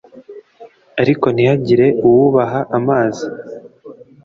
ariko ntihagire uwubaha amazi